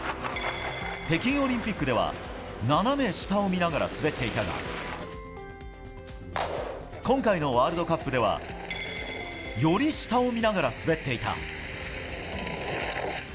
北京オリンピックでは斜め下を見ながら滑っていたが今回のワールドカップではより下を見ながら滑っていた。